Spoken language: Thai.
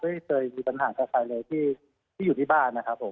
ไม่เคยมีปัญหากับใครเลยที่อยู่ที่บ้านนะครับผม